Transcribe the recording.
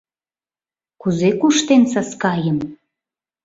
Кузе куштен Саскайым?!